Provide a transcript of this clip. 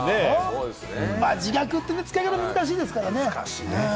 自虐って使い方が難しいですからね。